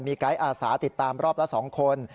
ไกด์อาสาติดตามรอบละ๒คน